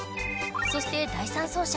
そして第３走者！